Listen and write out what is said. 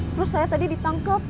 terus saya tadi ditangkep